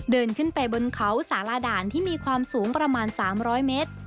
เดินขึ้นไปบนเขาสารด่านที่มีความสูงประมาณ๓๐๐เมตร